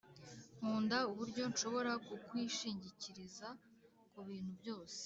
nkunda uburyo nshobora kukwishingikiriza kubintu byose